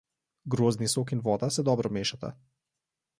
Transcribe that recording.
Grozdni sok in voda se dobro mešata.